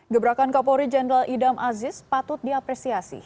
gebrakan kapolri jenderal idam aziz patut diapresiasi